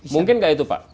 mungkin gak itu pak